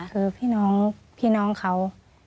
คือพี่น้องเขา